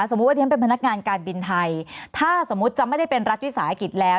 ว่าที่ฉันเป็นพนักงานการบินไทยถ้าสมมุติจะไม่ได้เป็นรัฐวิสาหกิจแล้ว